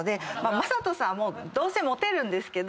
魔裟斗さんもどうせモテるんですけど。